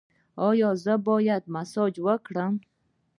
ایا زه باید مساج وکړم؟